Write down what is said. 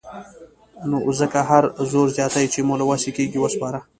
نو ځکه هر زور زياتی چې مو له وسې کېږي وسپاره.